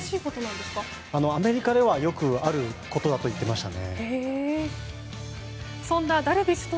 アメリカではよくあることだと言っていましたね。